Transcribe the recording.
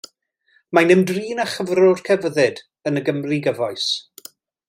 Mae'n ymdrin â chyflwr celfyddyd yn y Gymru gyfoes.